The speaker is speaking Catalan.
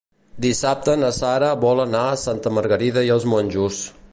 Dissabte na Sara vol anar a Santa Margarida i els Monjos.